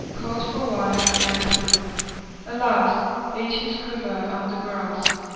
Called for wine, and threw — alas! — Each his quiver on the grass.